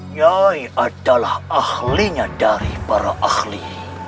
kiai adalah ahlinya dari para ahli